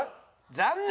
残念！